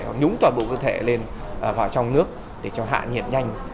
hoặc nhúng toàn bộ cơ thể lên vào trong nước để cho hạ nhiệt nhanh